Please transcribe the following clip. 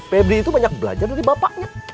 febri itu banyak belajar dari bapaknya